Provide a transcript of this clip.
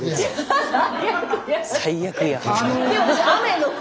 「最悪や」！